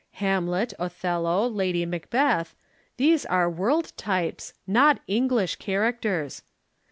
Hamlet, Othello, Lady Macbeth these are world types, not English characters.